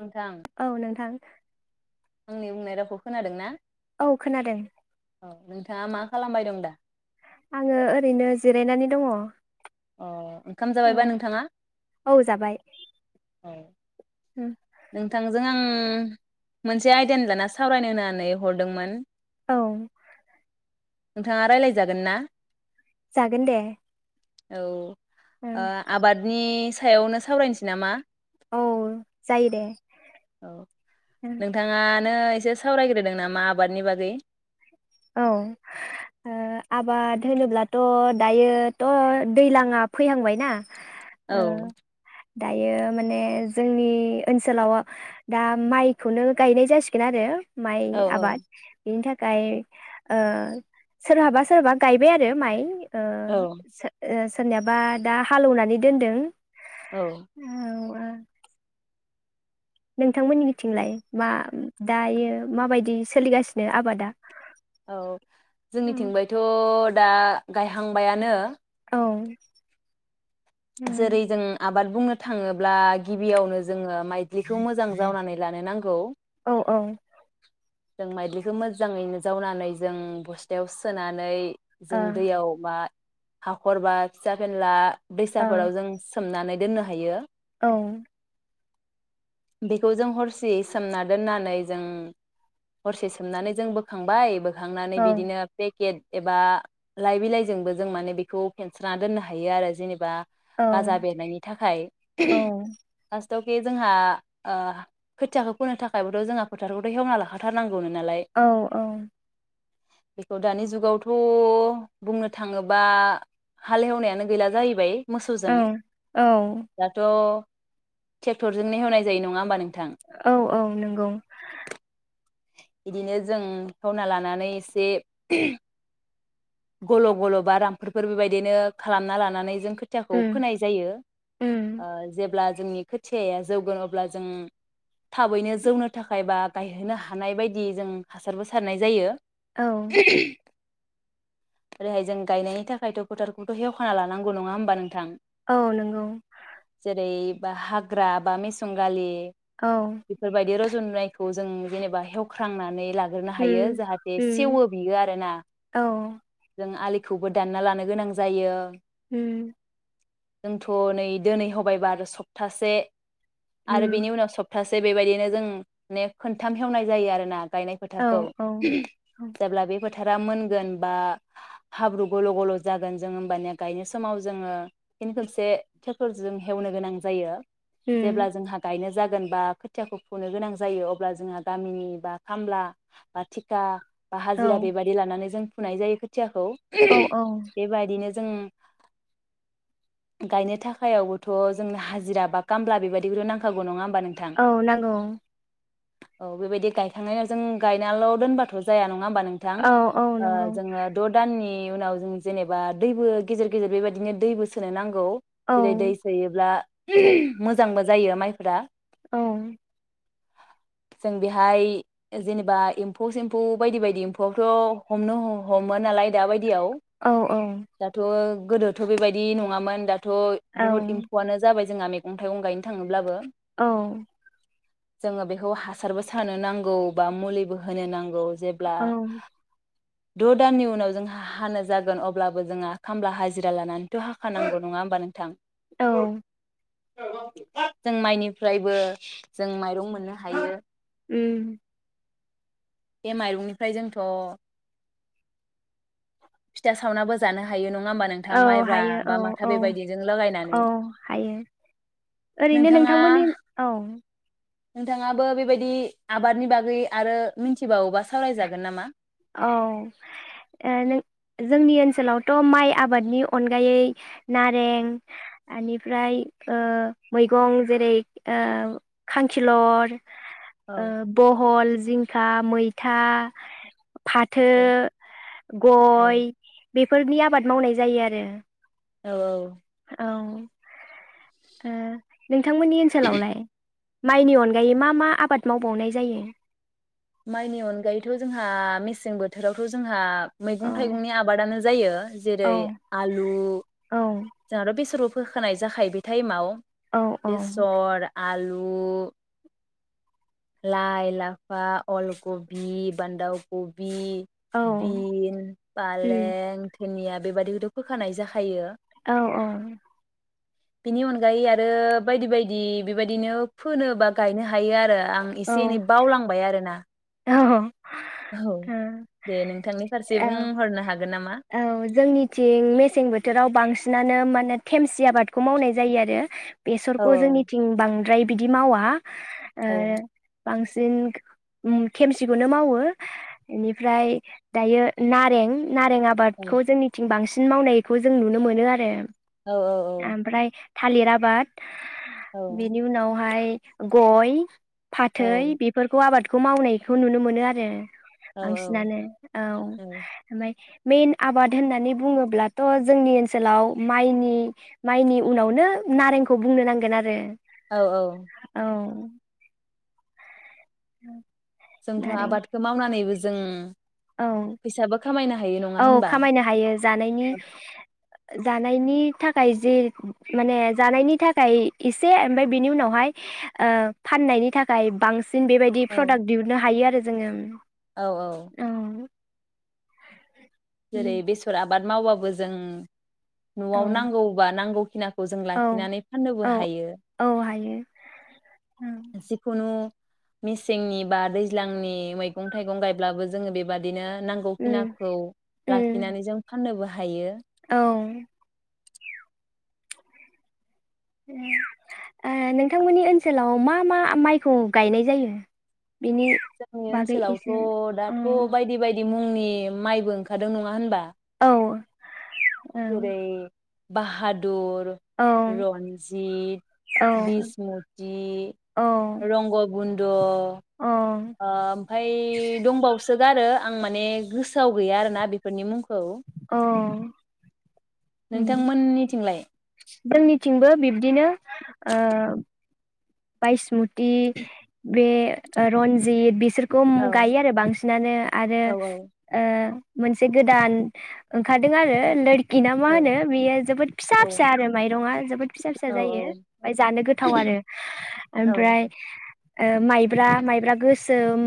नोंथां औ नोंथां आंनि बुंनाय रावखौ खोनादों ना? औ खोनादो। दा मा खालामबाय दं दा? आङो ओरैनो जिरायनानै दङ। अ ओंखाम जाबायबा नोंथाङा? औ औ होम नोंथांजों आं मोनसे आयदानि लाना सावरायनो होननानै हरदोंमोन औ नोंथाङा रायज्लायजागोन ना? जागोन दे औ ओ आबादनिस सायावनो सावरायनोसै नामा? औ जायो दे औ नोंथांङा नो एसे सावरायग्रोदो नामा आबादनि बागै औ ओ आबाद होनोब्लाथ' दायोथ' दैलाङा फैहांबायना औ दायो माने जोंनि ओनसोलाव दा माइखौनो गायनाय जासिगोन आरो माइ औ आबाद बिनि था गाय ओ सोरहाबा सोरहाबा गायबाय आरो माइ। ओ औ सो ओ सो सोरनियाबा दा हालौवनानै दोनदों। औ ओ नोंथांमोननि मिथिंलाय मा दायो माबायदि सोलिगासिनो आबादा? औ औ जोंनिथिंबायथ दा गायहांबायानो औ औ जेरै जों आबाद बुंनो थांङोब्ला गिबियावनो जोंङो माइदलिखौ मोजां जावनानै लानो नांगौ। औ जों मायदलिखो मोजांङैनो जावनानै जों बस्थायाव सोनानै औ जों दैयाव मा हाखरबा फिसा फेनला औ दैसाफोराव जों सोमनानै दोननो हायो औ बेखौ जों हरसेयै सोमना दोननानै जों हरसे सोमनानै जों बोखांबाय बो खांनानै औ बिदिनो पेकेट एबा लाइ बिलाइजोंबो जों माने बेखौ फेनस्राना दोननो हायो आरो जेनेबा औ गाजा बेरनायनि थाखाय थके जोंहा ओ खोथियाखौ फोनो थाखायबोथ जोंहा फोथारखौथ हेवना ला हाथार नांग औ औ बेखौ दानि जुगावथ' बुंनो थाङोबा हालेवनायानो गैला जाहैबाय। मोसौजों औ दाथ' ट्रेक्टरजोंनो हेवनाय जायो नङा होमबा नों औ औ नोंगौ। इदिनो जों हेवना लानानै एसे गल' गल' बा रामफोरफोर बेबायदिनो खालामना लानानै जों खोथियाखौ उम फोनाय जायो उम ओ जेब्ला जोंनि खोथियाया जौगोन अब्ला जों थाबैनो जौनो थाखाय बा गायहोनो हा हानाय बायदि जों हासारबो सारनाय जायो औ [unintelligible] ओरैहाय जों गायनायनि थाखायथ' फोथारखौथ' हेव खाना लानांगौ नङा होमबा नोंथां? औ नोंगौ जेरै बा हाग्रा बा मेसं गालि औ बेफोरबायदि रज [unintelligible] नायखौ जों जेनेबा हेवख्रांनानै लाग्रोनो हायो उम जाहाते उम सेवो बियो आरो ना? औ जों आलि खौबो दानना लानो गोनां जायो। उम। जोंथ' नै दोनै हबायबा आरो सप्थासे आरो उम बिनि उनाव सप सपथासे बेबायदिनो जों ने खनथाम हेवनाय जायो आरो ना गायनाय औ फोथारखौ उम जेब्ला बे फो फोथारा मोनगोन बा हाब्रु गल' गल' जागोन जों होमबानिया गायनाय समाव जोङो फिन खोनसे ट्रेक्टरजों हेवनो गोनां जायो। जेब्ला जोंहा गायनो जागो जेनबा खोथियाखौ फुनो गोनां जायो अब्ला जोंहा गामिनि बा खामला बा थिका बा औ हाजिरा बेबायदि लानानै जों फुनाय जायो खोथियाखौ। औ [unintelligible] औ बेबायदिनो जों गायनो थाखायावबोथ' जों हाजिरा बा खामला बेबायदिखौथ' नांखागौ नङा हो औ नांगौ। औ बेबायदि गायखांनायाव जों गायनाल' दोनबाथ' जाया नङा नङा होमबा नोंथां? औ औ ओ नंगौ जोङो द दाननि उनाव जों जेनेबा दैबो गेजेर गेजेर बेबायदिनो दैबो सोनो नांगौ। औ जेरै दै सोयोब्ला [unintelligible] मोजांबो जायो माइफोरा औ। जों बेहाय जेनेबा एम्फौ सेम्फौ बायदि बायदि एम्फौआबोथ' हमनो ह-हमो नालाय दा बायदि याव औ दाथ' गोदोथ' बेबायदि नङामोन दाथ' औ थ' बुहुत एम्फौआनो जाबाय जोंहा मैगं थाइगं गायनो थाङोब्लाबो औ। जोङो बेखौ हा हासारबो सारनो नांगौ बा मुलिबो होनो नांगौ। गौ जेब्ला औ द' दाननि उनाव जोंहा हानो जागोन। अब्लाबो जोंहा खामला हाजिरा लानानैथ' हाखानांगौ नङा होमबा नोंथां? [inaudible] औ जों माइनिफ्रायबो जों माइरं मोननो हायो उम बे माइरंनिफ्राय जोंथ फिथा सावनाबो जानो हायो होमबा नोंथां औ माइब्रा हायो औ बा माथा औ बेबायदिजों लगायनानै औ हायो ओरैनो नोंथाङा नोंथांमोननि औ नोंथाङाबो बेबायदि आबादनि बागै आरो मिथिबावोबा सावरायजागोन नामा औ नों जोंनि ओनसोलावथ माइ आबादनि अनगायै नारें बेनिफ्राय मैगं जेरै खांखिलर, औ बहल, जिं खा, मैथा, फाथो, औ औ गय, बेफोरनि आबाद मावनाय जायो आरो। औ औ औ ओ नोंथांमोननि ओनसोलावलाय माइनि अनगायै मा मा आबाद मावबावनाय जायो? माइनि अनगायैथ जोंहा मेसें बोथोरावथ जोंहा औ मैगं थाइगंनि आबादानो जायो औ जेरै आलु औ जोंहाथ बेसरबो फोखानाय जाखायो बे टाइमाव औ औ बेेसर आलु [unintelligible] लाइ लाफा अलकबि बान्दा क बि औ बिन उम पालें जोंनिया बेबादिखौथ फोखानाय जाखायो औ औ बेनि अनगायै आरो बायदि बायदि बेबायदिनो फोनो बा गायनो हायो आरो आं औ एसे एनै बावलांबाय आरोना [inaudible] औ दे नोंथांनि फारसे औ बुंहरनो हागोन नामा औ जोंनिथिं मेसें बोथोराव बांसिनानो माने थेमसि आबादखौ मावनाय जायो आरो औ बेसरखौ जोंनिथिं बांद्राय बिदि मावा औ आरो बांसि उम खेमसेखौनो मावो बेनिफ्राय दायो नारें नारें आबादखौ जोंनिथिं बांसिन मावनायखौ जों नुनो मोनो आरो औ औ औ ओमफ्राय थालिर आाबाद औ बेनि उनावहाय गय औ फाथै बेफोरखौ आबाद खौ मावनायखौ नुनो मोनो आरो औ बांसिनानो औ ओमफ्राय मेन आबाद होननानै बुङोब्लाथ जोंनि ओनसोलाव माइनि माइनि उनावनो नारेंखौ बुंनो नांगोन आरो औ औ औ [inaudible] जोंथ नारें आबादखौ मावनानैबो जों औ फैसाबो खामायनो हायो नङा औ होनबा खामायनो हायो जानायनि जानायनि थाखाय जे माने जानायनि थाखाय इसे ओमफाय बेनि उनावहाय ओ फाननायनि थाखाय बांसि सिन बेबायदि औ प्रडाक्ट दिहुननो हायो आरो जोङो औ औ [inaudible] जेरै बेसर आ बाद मावबाबो जों नआव औ नांगौबा नांगौ [unintelligible] जों औ लाखिनानै फनोबो औ हायो औ हायो उम जिखुनु मेसेंनि बा दैज्लांनि मैगं थाइगं गायब्लाबो जोङो बेबादिनो उम नांगौखिनाखौ लाखिनानै जों फाननोबो हायो। औ उम ओ नोंथांमोननि ओनसोलाव मा मा माइखौ गायनाय जायो? बेनि जोंनि बागै एसे ओनसोलावथ' अ दाथ' बायदि बायदि मुंनि माइबो ओंखारदों नङा होनबा औ। औ जेरै बाहादुद औ रन्जित औ बिसमुथि औ रंगबुन द वो औ ओ ओमफाय दंबावसो सोगारो आं माने गोसोआव गैया आरोना बेफोरनि मुंंखौ औ। नोंथां मोननिथिंलाय? जोंनिथिंबो बिब्दिनो ओ बायसमु थि बे ओ रन्जित बिसोर गम औ गायो आरो बांसिनानो आरो औ ओ मोनसे गोदान ओंखारदों आरो लोर गिना ना औ माहोनो बेयो जोबोद फिसा औ औ फिसा आरो माइरङा जोबोद फिसा फिसा औ जायो ओमफाय जानो गोथाव आरो। औ ओमफ्राय ओ माइब्रा माइब्रा गोसोम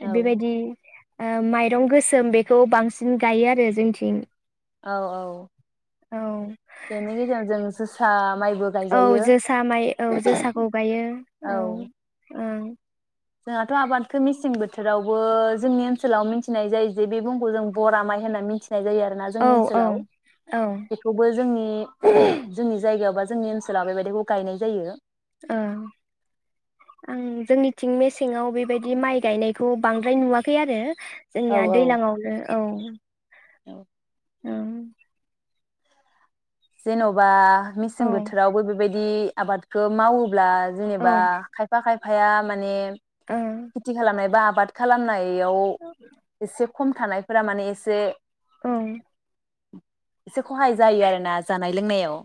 औ बेबायदि ओ माइरं गोसोम बेखौ बांसिन गायो आरो जोंथिं। औ औ औ बेनि गेजेराव जों जोसा माइबो औ गायजायो जोसा माइ औ जोसाखौ गायो औ ओं। जोंहाथ' आबादखो मेसें बोथोरावबो जोंनि ओनसोलाव मिथिनाय जायो जे बे बुंग जों बरा माइ होनना मिथि नाय जायो आरोना औ जोंनि औ ओनसोलाव औ बेखौबो जोंनि जोंनि जायगायाव बा जोंनि ओनसोलााव बेबायदिखौ गायनाय जायो। ओं आं जोंनिथिं मेसेङाव बेबायदि माइ गायनायखौ बांद्राय नुआखै आरो। औ जोंनिया दैलाङावनो औ। औ। ओं जेन'बा औ मिसें बोथोरावबो बेबाय दि आबादखौ मावो ब्ला जेनेबा औ खायफा खाय आफाया माने ओ खेथि खालामनाय बा बाद खालामनाय बेयाव एसे खम थानायफोरा माने एसे ओं। एसे खहाय जायो आरोना। जानाय लोंनायाव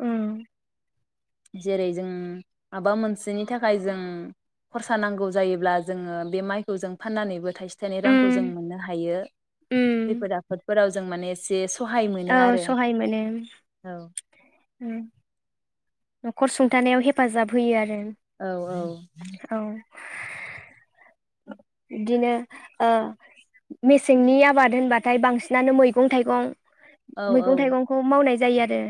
उम। जेरै जों माबा मोनसेनि थाखाय जों खरसा नांगौ जायोब्ला जोङो बे माइखौ जों फाननानैबो थाइसे फिथाइनि रांखौ जों उम मोननो हायो उम खैफोद आफोदफोराव जों माने सेस औ सहाय मोनो। औ ओम। न'खर सुंथानायाव हेफाजाब होयो आरो। औ औ। औ बिदिनो ओ मेसेंनि आबाद होनबाथाय बांसिनानो मैगं-थाइगं औ मैगं-थाइगंखौ मावनाय जायो आरो।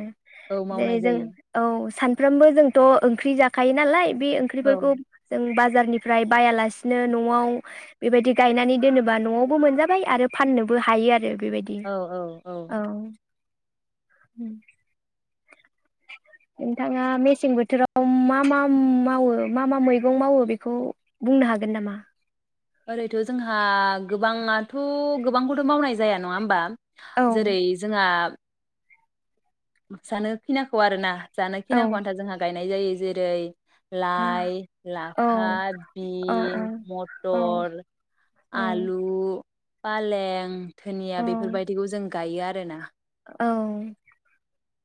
औ बेे मावनाय जों जायो औ। सानफ्रामबो जोंथ' ओंख्रि जाखायो नालाय बे औ ओंख्रिफोरखौ जों बाजा बाजारनिफ्राय बायालासिनो न'आव बेबायदि गायनानै दोनोबा न'आवबो मोनजाबाय आरो फाननोबो हायो आरो। बेबायदि औ औ औ। उम। नोंथाङा मेसें बोथोराव मा मा मावो मा मा मैगं मावो बेखौ बुंनो हागोन नामा? ओरैथ' जोंहा गोबाङाथ' गोबांखौथ' मावनाय जाया नङा होमबा? औ जेरै जोंहा सानो खैनाखौ आरो ना। जानाय औ खिनाखौ आनथा जोंहा गाय नाय जायो जेरै औ लाइ औ लाफा औ बिन औ मटर औ आलु फालें धोनिया औ बेफोरबायदिखौ जों गायो आरो ना। औ।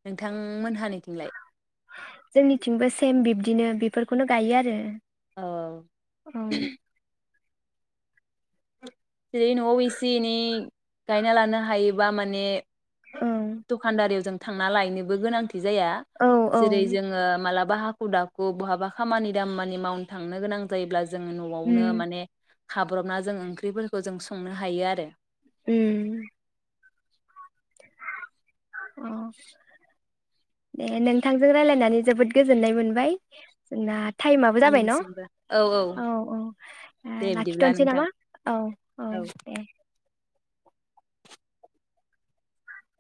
नोंथां मोनहानिथिंलाय? जोंनिथिंबो सेम बिब्दिनो बेफोरखौनो गायो आरो। औ औ। जेरै न'आव एसे एनै गायना लानो हायोबा माने औ दखानदारियावजों थांना लायनोबो गोनांथि जाया। औ औ जेरै जोङो मालाब बा हाखु दाखु बहाबा खामानि दामानि मावनो थांनो गोनां जायोब्ला जोङो न'आवनो उम माने खाब्रबना जों ओंख्रिफोर खौ जों संनो हायो आरो उम। अ दे नोंथांजों रायलायनानै जोबोद गोजोन्नाय मोनबाय। जोंना टाइमाबो जाबाय न औ औ ओ दे बिदिब्ला लाखिथनोसै नोंथां नामा औ औ दे।